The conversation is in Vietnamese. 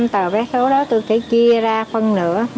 một trăm linh tờ vé số đó tôi sẽ chia ra phân nửa